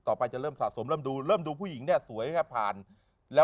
ต่อไปเริ่มดูเริ่มดูผู้หญิงเนี่ยสวยกั้วแปลง